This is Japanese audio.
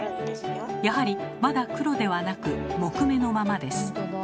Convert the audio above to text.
やはりまだ黒ではなく木目のままです。